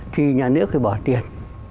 thì nhà nước thì bỏ tiền